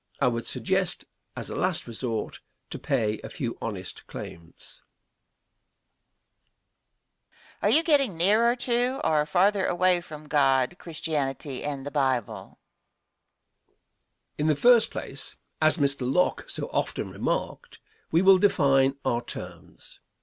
I would suggest, as a last resort, to pay a few honest claims. Question. Are you getting nearer to or farther away from God, Christianity and the Bible? Answer. In the first place, as Mr. Locke so often remarked, we will define our terms.